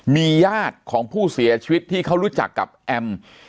มีญาติของผู้เสียชีวิตที่เขารู้จักกับแอม